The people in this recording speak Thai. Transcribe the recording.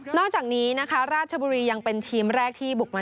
ก็ยังไม่เคยแพ้ในเกมแรกเหมือนกันค่ะแบ่งเป็นชนะสามนัดแล้วก็เสมอสองนัด